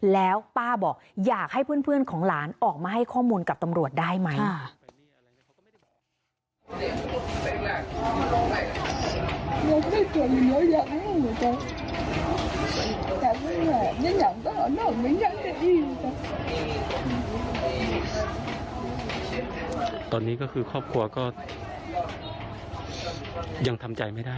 แล้วป้าบอกอยากให้เพื่อนของหลานออกมาให้ข้อมูลกับตำรวจได้ไหม